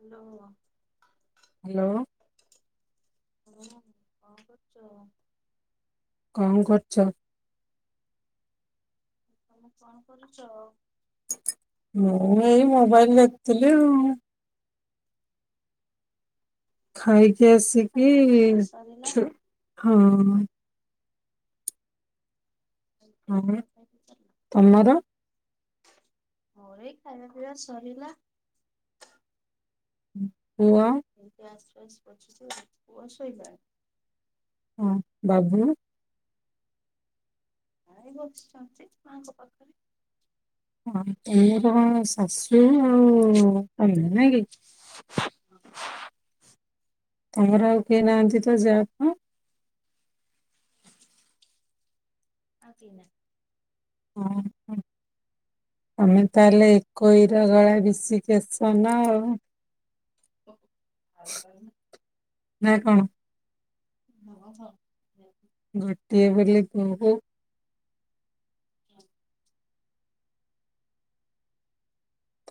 Hello. Hello. ହୁଁ କଁ କରୁଚ? କଁ କରୁଚ? ଓ ତମେ କଣ କରୁଚ? ମୁଁ ଏଇ ମୋବାଇଲ୍ ଦେଖୁଥୁଲି ଆଉ। ଖାଇକି ଏଇ ଆସିକି ଖାଇବା ପିଇବା ସରିଲା ଛୁ ହଁ। ଆଇ ହଁ କେତୋଳେ ଖାଇ ପିଇ ସାରିଲ? ତମର ମୋର ଏଇ ଖାଇବା ପିଇବା ସରିଲା। ଉଁ ପୁଅ? ଏଇ ଗ୍ୟାସ୍ ଫ୍ୟାସ୍ ପୋଛୁଚି ଲା ପୁଅ ଶୋଇଲାଣି। ହଁ ବାବୁ। ଭାଇ ବସିଚନ୍ତି ମାଙ୍କ ପାଖରେ। ହଁ ତମେ କଣ ଶାଶୁ ନା ଆଉ ତମେ ନାଇ କି? [inaudible] ତମର ଆଉ କେହି ନାହାନ୍ତି ତ ଯାହା ଫାଆ? ଆଉ କେହି ନାଇ। ହଁ ହଁ। ତମେ ତାହେଲେ ଏକୋଇରା ଗଲ ରିଷିକେଶ ନା ଆଉ। ଆଉ ତ ଆଉ ତାହାଲେ ନାଇଁ କଣ? ହଁ ହଁ। ଗୋଟିଏ ବୋଲି ପୁଅ ବୋହୂ। ହଁ।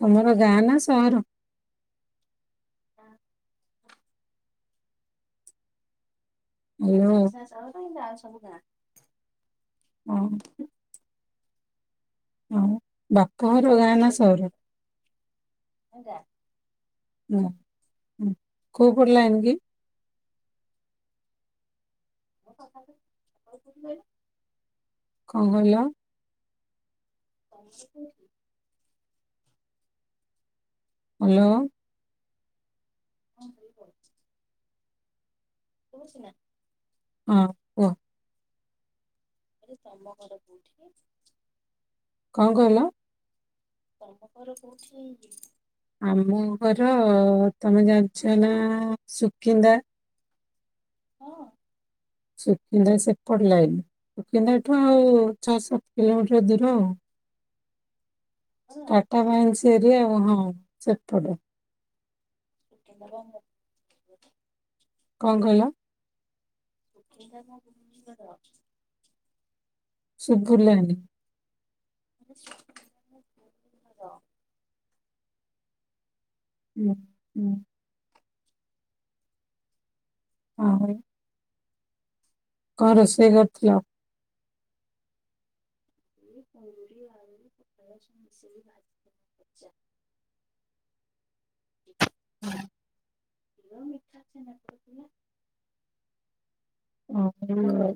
ତମର ଗାଁ ନା ସହର? ଗାଁ। ହ୍ୟାଲୋ ଜାଗା ସିନା ସହର ହେଲେ ଆଉ ସବୁ ଗାଁ। ହଁ। ହେଲେ ବାପଘର ଗାଁ ରହିଛି ନା କେମିତି ସହର? ଗାଁ। ହଁ ହଁ କଉ ପଟ ଲାଇନ୍ କି? ମୋ କଥା ଏଠୁ ଆପଣ କଉଠୁ କହୀଲେ? କଣ କହିଲ? ତମର କଉଠି? ହାଲୋ। ହଁ ସେଇ [unintelligible] ଶୁଭୁଚି ନା? ହଁ। କୁହ ଆରେ ତମ ଘର କୋଉଠି? କଣ କହିଲ? ତମ ଘର କୋଉଠି? ଆମ ଘର ତମେ ଜାଣିଚ ନା ସୁକିନ୍ଦା? ହଁ। ସୁକିନ୍ଦା ସେପଟ ଲାଇନ। ସୁକିନ୍ଦାଠୁ ଆଉ ଛଅ ସାତ କିଲୋମିଟର ଦୂର ଆଉ। ଘର ଟାଟା ମାଇନ୍ସ ଏରିଆ ଆଉ ହଁ ସେପଟେ। ସୁକିନ୍ଦା ର ମୋ [unintelligible] କଣ କହିଲ? ସୁକିନ୍ଦା ମୋ [unintelligible] ଘର। ସୁବୁରଲାଣି। [inaudible] ଭଉଣୀ ଘର। ଉଁ ଉଁ। ହଁ [unintelligible] କଣ ରୋଷେଇ କରିଥିଲ? ଏଇ କୁନ୍ଦୁରି, ଆଳୁ, ପୋଟଳ ସବୁ ମିଶେଇକି ଭାଜିଥିଲେ। [inaudible] ହଁ। ଗୁଡ ମିଠା, ଛେନାପୋଡ଼ ଥିଲା। ଓ ହୋ।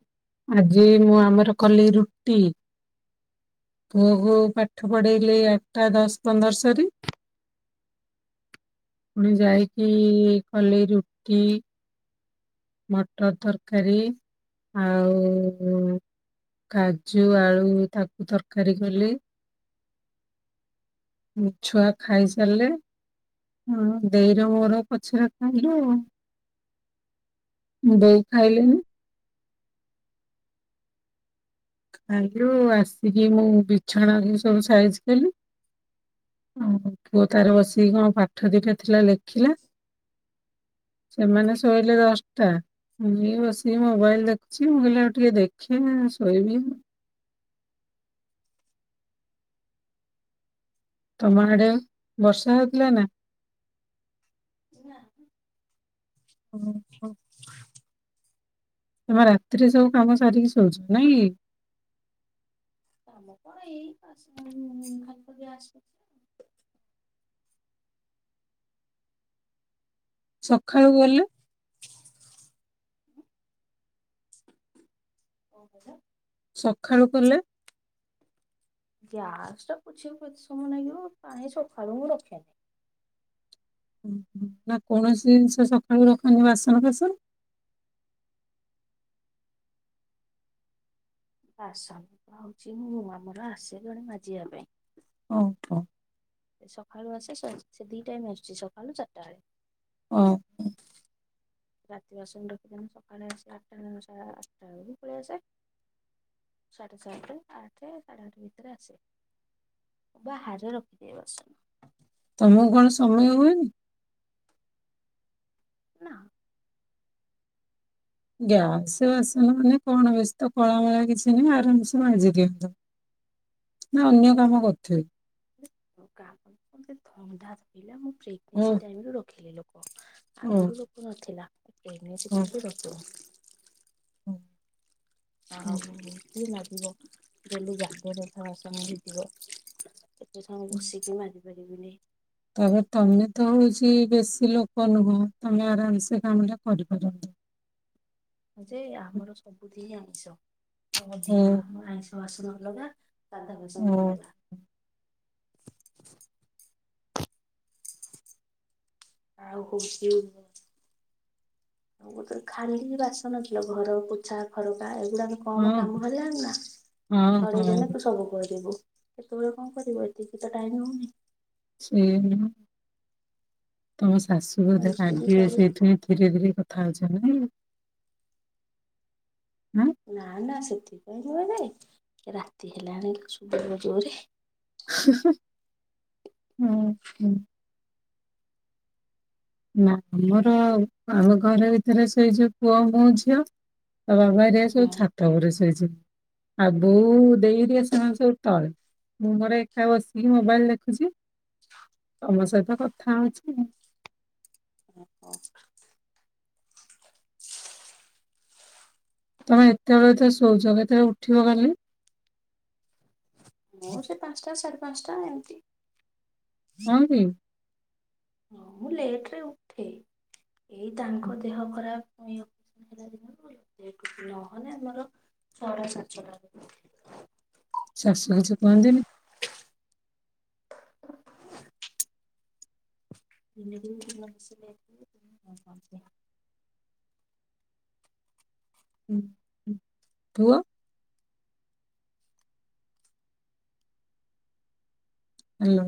ଆଜି ମୁଁ ଆମର କଲି ରୁଟି। ପୁଅକୁ ପାଠ ପଢେଇଲି ଆଠଟା ଦଶ ପନ୍ଦର ସରି। ପୁଣି ଯାଇକି କଲେ ରୁଟି। ମଟର ତରକାରୀ ଆଉ କାଜୁ, ଆଳୁ ତାକୁ ତରକାରୀ କଲି। ଛୁଆ ଖାଇ ସାରିଲେ। ଦେଇର ମୋର ପଛରେ ଖାଇଲୁ ଆଉ। ବୋଉ ଖାଇଲେନି? ଖାଇଲୁ। ଆସିକି ମୁଁ ବିଛଣାକୁ ସବୁ ସାଇଜ୍ କଲି। ପୁଅ ତାର ବସିକି କଣ ପାଠ ଦି ଟା ଥିଲା ଲେଖିଲା। ସେମାନେ ଶୋଇଲେ ଦଶଟା। ମୁଁ ଏଇ ବସିକି ମୋବାଇଲ ଦେଖୁଛି। ମୁଁ କହିଲି ହୋଉ ଟିକେ ଦେକ୍ ଖିଆ ଶୋଇବି। ତମ ଆଡେ ବର୍ଷା ହୋଉଥିଲା ନା? ନା ହଁ। ତମେ ରାତିରେ ସବୁ କାମ ସାରିକି ଶୋଉଚ ନାଇଁ କି? କାମ କଣ ଏଇ ବାସନ ଖାଲି ତ ଗ୍ୟାସ ପୋଛା। ସଖାଳୁ ଗଲେ କଣ କହିଲ? ସଖାଳୁ କଲେ। ଗ୍ୟାସ ଟା ପୋଛିଆବାକୁ କେତେ ସମୟ ନାଗିବ। କାଇଁ ସଖାଳୁ ମୁଁ ରଖେନି। ନା କୌଣସି ଜିନିଷ ସକାଳୁ ରଖନି ବାସନ ଫାସନ। ଆସନ୍ତି ତ ଆଉଚି ମୁଁ ଆମର ଆସେ ଜଣେ ମାଜିବା ପାଇଁ। ଓହୋ। ସକାଳୁ ଆସେ ସେ ସେ ଦି ଟାଇମ୍ ଆସୁଚି ସକାଳୁ ଚାରିଟା ବେଳେ। ଓହୋ। ରାତି ବାସନ ରଖିଦେଲେ। ସକାଳେ ଆସେ ଆଠଟା ସା ଆଠଟା ବେଳକୁ ପଳେଇ ଆସେ। ସାଢେ ସାତେ, ଆଠେ, ସାଢେ ଆଠ ଭିତରେ ଆସେ। ବାହାରେ ରଖିଦିଏ ବାସନ। ତମକୁ କଣ ସମୟ ହୁଏନି? ନା। ଗ୍ୟାସ ବାସନ ମାନେ କଣ ବେଶୀ ତ କଳା ମଳା କିଛି ନାହିଁ ଆରାମସେ ମାଜି ଦିଅନ୍ତ। ନା ଅନ୍ୟ କାମ କରୁଥିବେ। ଆଉ କାମ କଣ। ମତେ ଥଣ୍ଡା ଧଇଲା ମୁଁ ଓ ପ୍ରେଗନେନ୍ସି ଟାଇମରୁ ରଖିଲି ଲୋକ। ଓ ଆଗରୁ ଲୋକ ନଥିଲା। ଏଇ ପ୍ରେଗ୍ନେଶି ଟାଇମ ରେ ରଖିଲି। ହୁଁ। ଆଉ କିଏ ମାଜିବ। ଡେଲି ଗାଦିଏ ଲେଖା ବାସନ ହେଇଥିବ। ଏତେ ସମୟ ମୁ ବସିକି ମାଜି ପାରିବିନି। ତାପରେ ତମେ ତ ହୋଉଚି ବେଶୀ ଲୋକ ନୁହଁ ତମେ ଆରାମ ସେ କାମ ଟା କରିପାରନ୍ତ। ଯେ ଆମର ସବୁଦିନ ଆଇଁଷ ଓ ଅଧିକା ଆମର ଆଇଁଷ ବାସନ ଅଲଗା। ସାଧା ବାସନ ଓ ଅଲଗା। ଆଉ ହୋଉଛି [unintelligible] ଆଉ ହୋଉଛି ଖାଲି ବାସନ ଧୁଆ। ଘର ପୋଛା ଖରକା ଏଇଗୁଡା ମୁଁ କମ କାମ ହଁ ହେଲାଣିନା ହଁ ସରେଇଦେଲେ ହଁ ତୁ ସବୁ କରିଦେବୁ। କେତେବେଳେ କଣ କରିବ ଏତିକି ତ ଟାଇମ ହେଉନି। ସେ ତମ ଶାଶୁ ମୁଁ ବୋଧେ ଏତିକି ରାାଗିବେ କଲି ସେଇଥିାଇଁ ଧୀରେ ଧୀରେ କଥା ଥା ହୋଉଛ ନାଇ କି? ଉଁ। ନା ନା ସେଥିପାଇଁ ନୁହେ ଜେ ରାତି ହେଲାଣି ଶୁଵାଯିବ ଜୋରେ। ହୁଁ ହଁ। ନା ଆମର ଆମ ଘର ଭିତରେ ସେଇ ଯୋଉ ପୁଅ ମୋ ଝିଅ ତା ବାବା ହେରିକା ସବୁ ହୁଁ ଛାତ ଉପରେ ଶୋଇଛନ୍ତି। ଆଉ ବୋଉ ଦେଇ ହେରିକା ସେମାନେ ସବୁ ତଳେ। ମୁଁ ମୋର ଏକା ବସିକି ମୋବାଇଲ୍ ଦେଖୁଛି। ତମ ସହିତ କଥା ହଉଚି। ଓହୋ। ତମେ ଏତେବେଳେତ ଶୋଉଛ କେତେବେଳେ ଉଠିବ କାଲି? ମୁଁ ସେ ପାଞ୍ଚଟା ସାଢେ ପାଞ୍ଚଟା ଏମିତି। ହଁକି। ହଁ ମୁଁ ଲେଟରେ ଉଠେ ଏଇ ତାଙ୍କ ଦେହ ଖରାପ ହେ ଦିନ ନହଲେ ଆମର ଟା ସାତଟ [unintelligible] ସାସୁ କିଛି କୁହନ୍ତିନି? ଦେ ଦ [inaudible] ହ [inaudible] ପୁଅ ହାଲୋ।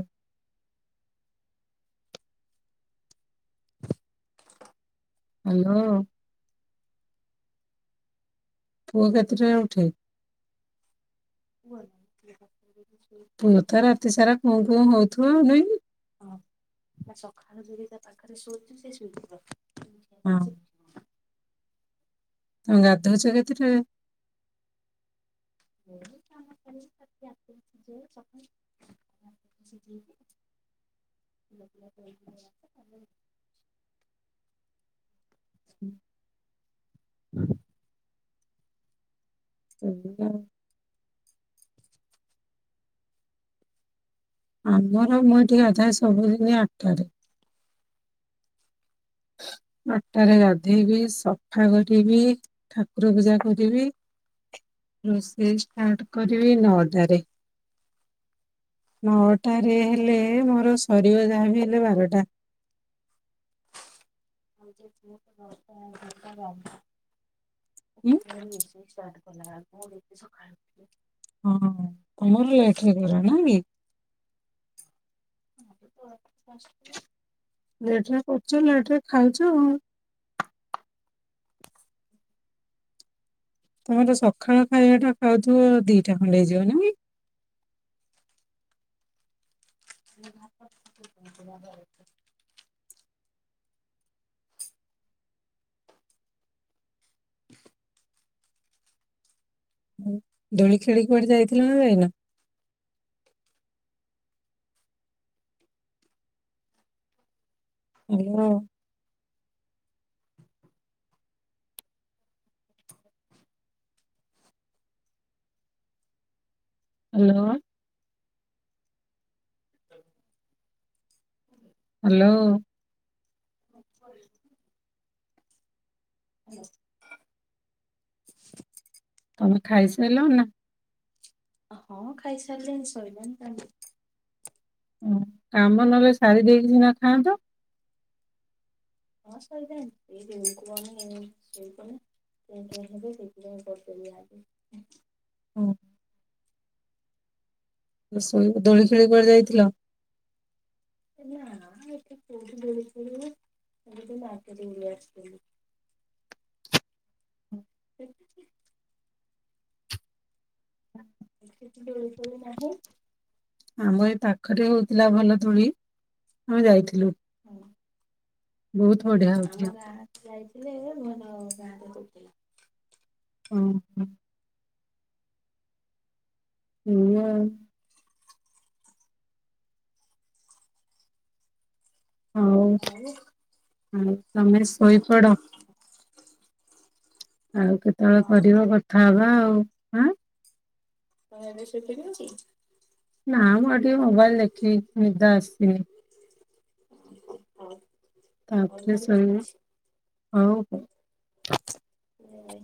[unintelligible] ହ୍ୟାଲୋ। ପୁଅ କେତେଟାରେ ଉଠେ। କୁହ ଶ ଶୋଇିବ। [inaudible] ହଁ କଣ [inaudible] ହଉଥିବ ଆଉ ନାଇଁକି। ହଁ ସଖାଳୁ ଯଦି ତା ପାଖରେ ଶୋଇଥିବି ସେ ଶୋଇଥିବ ହଁ ନହେଲେ ସେ ଉଠିବ। ତମେ ଗାଧୋଉଚ କେତେଟାରେ? ବ କମ ଆ ଯ ଯ [unintelligible] [inaudible] ହୁଁ ହୁଁ [unintelligible] ଆମର ମୁଏଠି ଗାଧାଏ ସବୁଦିନ ଆଠଟାରେ। ଆଟଟାରେ ଗାଧେଇବି ସଫା କରିବି ଠାକୁର ପୂଜା କରିବି ରୋଶ ଇ ଷ୍ଟାର୍ଟ କରିବି ନଅଟାରେ। ନଅଟାରେ ହେଲେ ମୋର ସରିବ ଯାହାବି ହେଲେ ବାରଟା? ଷ [inaudible] ନେଇି ସକାଳୁ ଉଁ ଉଠ [unintelligible] ହଁ ତମର ଲେଟରେ କର ନା କି ଆମର ତ ପୁଅ ଆସୁଚି ପାଞ୍ଚଟାରେ। ଲେଟ୍ ରେ କରୁଛ ଲେଟ୍ ରେ ଖାଉଛ ଆଉ। ତମେତ ସ ଖାଳ ଖାଇବା ଟା ଖାଉଥିବ ଦିଟା ଖଣ୍ଡେ ହେଇଯିବ ନାଇକି? ଘ ଦ [inaudible] [inaudible] ଦୋଳି ଖେଳିି କୁଆଡେ ଯାଇଥିଲ ନା ଯାଇନ? ହାଲୋ। ହ୍ୟାଲୋ। ଚା ହ୍ୟାଲୋ। ହଁ ତମେ ଖାଇସାଇଲଣି ନା? ହଁମୁଁ ଖାଇସାରିଲିଣି ଶଇଲାଣି କାମ। ଉଁ କାମ ନହେଲେ ସାରିଦେଇକି ସିନା ଖାଆନ୍ତ? ହଁ ସରି ଯାଏନି ଏଇଜଉ କୁହନି ଶୋଇପଇଲେ କେଁ କେଁ ହେବେ ସେଥିପାଇଁ କରିଦେଲି ଆଗେ। ହୁଁ। ଶୋଇବ ଦୋଳି ଖେଳି କୁଆଡେ ଯାଇଥିଲ? ଏ ନାଁ ଏଠି କଉଠି ଦୋଳି ଖେଳିବ ଏମିତି ମାର୍କେଟ ବୁଲି ଆସିଥିଲି। ସେତିକି ସେଠୀ ଦୋଳିପଳି ନାହିଁ ଆମ ଏ ପାଖରେ ହଉଥିଲା ଭଲ ତୋଳି ଆମେ ଯାଇଥିଲୁ ହଁ ବହୁତ ବଢିଆ ହଉଥିଲା। ଆମର ଯାଇଥିଲେ ମର ଗାଁରେ ଯଥିଲ ହଁ ହଁ ଏଇ ଆ ଆଉ ଆଉ ହଉଉ ତମେ ଶୋଇପଡ଼ ଆଉ କେତେବେଳେ ହଁ କରିବ୍ ହଁ କଥା ହବା ଆଉ ଆଁ ହଁ ଏବେ ସେଠିକ ଅଛି ନା ମୁଁ ଟିକେ ମୋବାଇଲ ଦେଖି ନିଦ ଆସିିନି ହଁ ତାପରେ ସ ହଉ ହଉ ହୁ